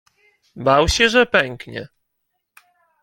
Bał się, że pęknie.